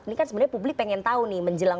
ini kan sebenarnya publik pengen tahu nih menjelang